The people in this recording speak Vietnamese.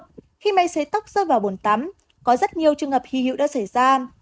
khi mây xấy tóc rơi vào bồn tắm có rất nhiều trường hợp hy hữu đã xảy ra